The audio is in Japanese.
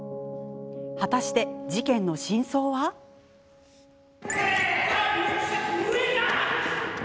果たして事件の真相は？上か！